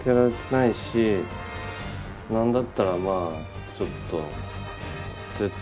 何だったらまあちょっと。